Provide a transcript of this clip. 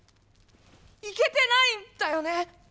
行けてないんだよね？